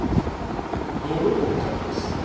五郎太とする